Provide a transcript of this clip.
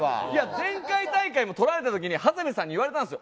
前回大会も撮られたときに長谷部さんに言われたんですよ